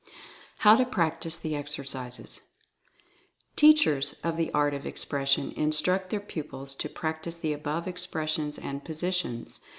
HOW TO PRACTICE THE EXERCISES. Teachers of the Art of Expression instruct their pupils to practice the above expressions and positions.